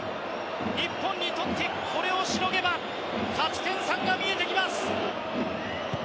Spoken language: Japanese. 日本にとって、これをしのげば勝ち点３が見えてきます。